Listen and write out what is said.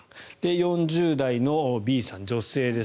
４０代のＢさん、女性です。